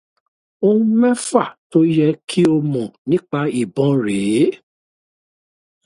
Ohun mẹ́fà tó yẹ kí o mọ̀ nípa ìbọn rèé